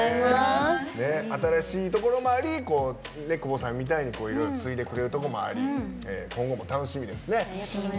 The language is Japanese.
新しいところもあり久保さんみたいに継いでくれるところもあり今後も楽しみですね。